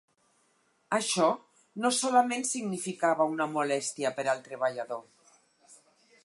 Això no solament significava una molèstia per al treballador.